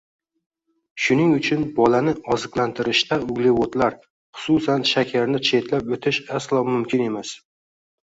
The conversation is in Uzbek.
Shuning uchun bolani oziqlantirishda uglevodlar, xususan shakarni chetlab o‘tish aslo mumkin emas.